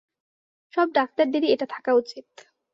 সব ডাক্তারদেরই এটা থাকা উচিৎ।